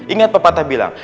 ingat pepatah bilang